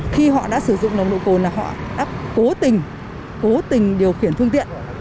khi họ đã sử dụng nồng độ cồn là họ đã cố tình cố tình điều khiển phương tiện